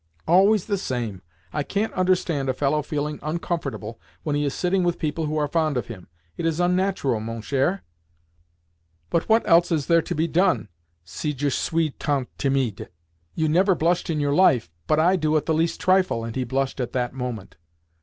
"Always the same! I can't understand a fellow feeling uncomfortable when he is sitting with people who are fond of him. It is unnatural, mon cher." "But what else is there to be done si je suis tant timide? You never blushed in your life, but I do at the least trifle," and he blushed at that moment.